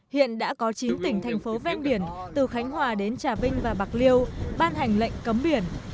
hiện đã có chín tỉnh thành phố ven biển từ khánh hòa đến trà vinh và bạc liêu ban hành lệnh cấm biển